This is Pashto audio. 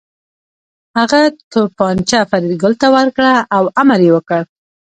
هغه توپانچه فریدګل ته ورکړه او امر یې وکړ